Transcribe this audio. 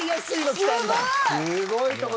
すごい。